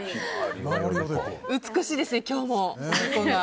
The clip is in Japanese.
美しいですね、今日もおでこが。